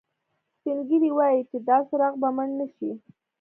سپین ږیری وایي چې دا څراغ به مړ نه شي